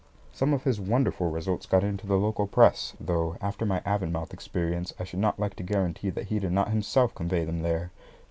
Some of his wonderful results got into the local press, though, after my Avonmouth experience, I should not like to guarantee that he did not himself convey them there.